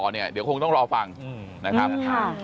เดี๋ยวคงต้องรอฟังนะครับ